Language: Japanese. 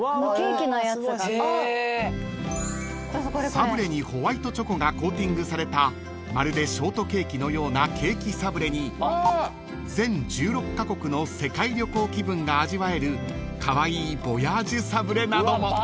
［サブレにホワイトチョコがコーティングされたまるでショートケーキのようなケーキサブレに全１６カ国の世界旅行気分が味わえるカワイイヴォヤージュサブレなども］